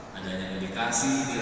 kami tetap mengambil sampel